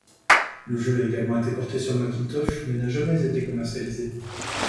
Le jeu a également été porté sur Macintosh mais n'a jamais été commercialisé.